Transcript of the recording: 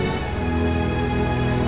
kamu mau mau gan